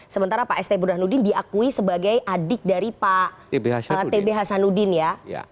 sementara pak st burhanudin diakui sebagai adik dari pak t b hasanudin ya